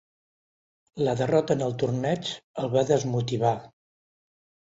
La derrota en el torneig el va desmotivar.